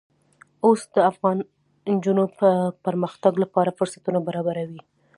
اوښ د افغان نجونو د پرمختګ لپاره فرصتونه برابروي.